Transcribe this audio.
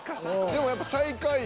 でもやっぱ最下位